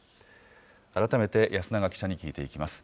改めて安永記者に聞いていきます。